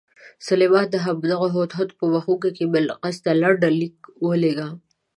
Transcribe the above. سلیمان د همدغه هدهد په مښوکه کې بلقیس ته لنډ لیک ولېږه.